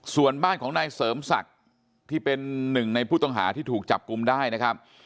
ส่วนบ้านของนายเสริมศักดิ์ที่เป็นหนึ่งในผู้ต้องหาที่ถูกจับกลุ่มได้นะครับ